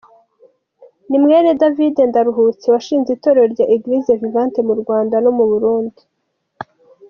Ni mwene David Ndaruhutse washinze Itorero rya Eglise Vivante mu Rwanda no mu Burundi.